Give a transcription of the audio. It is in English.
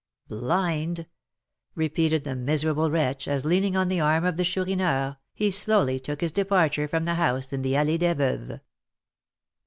blind!" repeated the miserable wretch, as, leaning on the arm of the Chourineur, he slowly took his departure from the house in the Allée des Veuves.